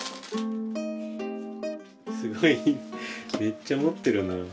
すごいめっちゃ持ってるな。